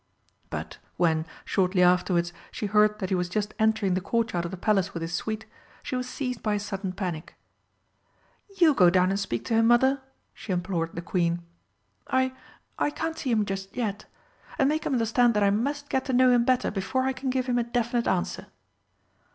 But when, shortly afterwards, she heard that he was just entering the Courtyard of the Palace with his suite, she was seized by a sudden panic. "You go down and speak to him, Mother," she implored the Queen. "I I can't see him just yet. And make him understand that I must get to know him better before I can give him a definite answer."